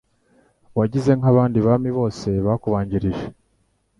Wagize nk'abandi Bami bose bakubanjirije